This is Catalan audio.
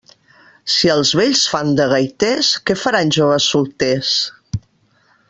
Si els vells fan de gaiters, què faran joves solters?